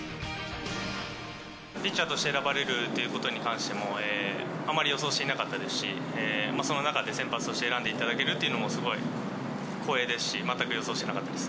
ピッチャーとして選ばれるということに関しても、あまり予想していなかったですし、その中で先発として選んでいただけるというのもすごい光栄ですし、全く予想していなかったです。